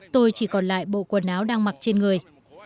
tôi chỉ còn lại bộ quần áo đang mặc trên người